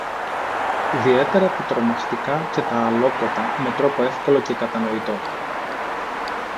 ιδιαίτερα τα τρομαχτικά και τα αλλόκοτα, με τρόπο εύκολο και κατανοητό.